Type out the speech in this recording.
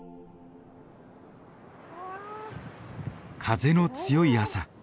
風の強い朝。